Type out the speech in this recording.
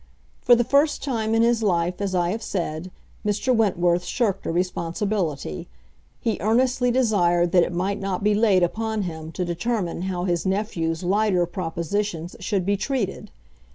For the first time in his life, as I have said, Mr. Wentworth shirked a responsibility; he earnestly desired that it might not be laid upon him to determine how his nephew's lighter propositions should be treated.